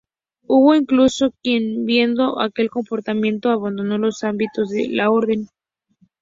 Hubo incluso quien viendo aquel comportamiento abandonó los hábitos de la orden.